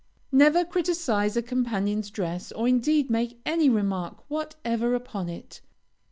Never criticise a companion's dress, or indeed make any remark whatever upon it.